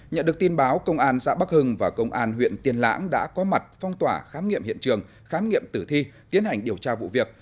nhận được tin báo công an xã bắc hưng và công an huyện tiên lãng đã có mặt phong tỏa khám nghiệm hiện trường khám nghiệm tử thi tiến hành điều tra vụ việc